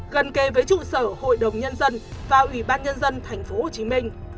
gần kề với trụ sở hội đồng nhân dân và ủy ban nhân dân thành phố hồ chí minh